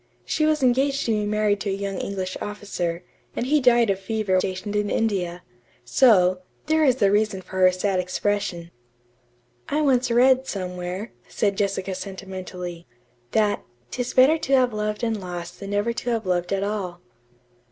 She was engaged to be married to a young English officer, and he died of fever while stationed in India. So, there is reason for her sad expression." "I once read, somewhere," said Jessica sentimentally, "that ''Tis better to have loved and lost than never to have loved at all.'"